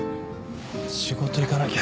仕事行かなきゃ。